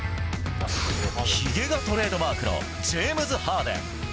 ひげがトレードマークのジェームズ・ハーデン。